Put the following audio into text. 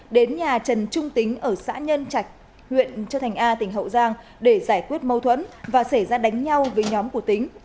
đến nhà trần trung tính ở xã nhân trạch huyện châu thành a tỉnh hậu giang để giải quyết mâu thuẫn và xảy ra đánh nhau với nhóm của tính